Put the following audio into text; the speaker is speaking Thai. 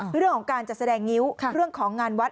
เรื่องของการจัดแสดงงิ้วเรื่องของงานวัด